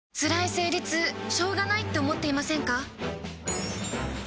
生理痛しょうがないって思っていませんか？